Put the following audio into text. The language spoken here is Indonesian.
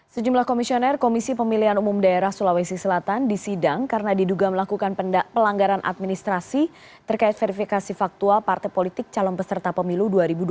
sejumlah komisioner komisi pemilihan umum daerah sulawesi selatan disidang karena diduga melakukan pelanggaran administrasi terkait verifikasi faktual partai politik calon peserta pemilu dua ribu dua puluh